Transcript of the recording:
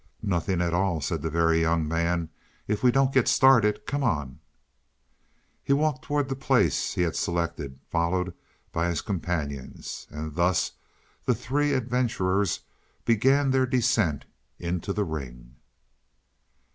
"Nothing at all," said the Very Young Man, "if we don't ever get started. Come on." He walked towards the place he had selected, followed by his companions. And thus the three adventurers began their descent into the ring.